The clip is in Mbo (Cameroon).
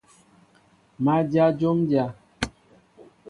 Má dyă jǒm dyá.